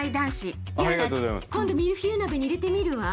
今度ミルフィーユ鍋に入れてみるわ。